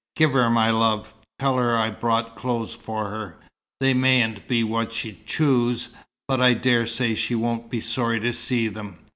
Give her my love. Tell her I've brought clothes for her. They mayn't be what she'd choose, but I dare say she won't be sorry to see them.